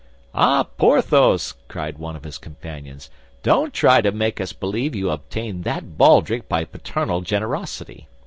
"Ah, Porthos!" cried one of his companions, "don't try to make us believe you obtained that baldric by paternal generosity.